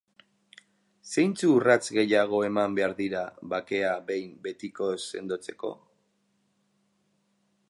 Zeintzu urrats gehiago eman behar dira bakea behin betikoz sendotzeko?